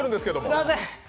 すみません。